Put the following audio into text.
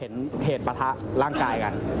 เหตุประทะร่างกายกัน